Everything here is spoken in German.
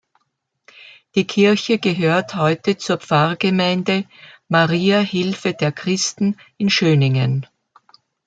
Die Kirche gehört heute zur Pfarrgemeinde "Maria Hilfe der Christen" in Schöningen.